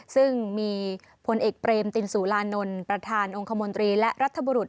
ซึ่งมีผลเอกเปรมตินสุรานนท์ประธานองค์คมนตรีและรัฐบุรุษ